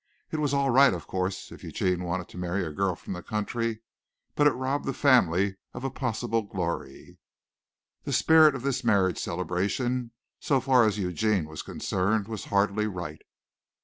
It was all right of course if Eugene wanted to marry a girl from the country, but it robbed the family of a possible glory. The spirit of this marriage celebration, so far as Eugene was concerned, was hardly right.